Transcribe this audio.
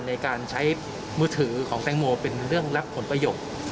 ในการใช้มือถือของแตงโมเป็นเรื่องรับผลประโยชน์